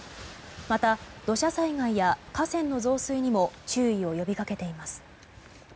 また土砂災害や河川の増水にも注意を呼び掛けています。